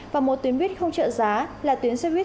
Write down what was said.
và một tuyến buýt không trợ giá là tuyến xe buýt